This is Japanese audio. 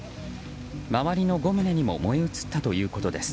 周りの５棟にも燃え移ったということです。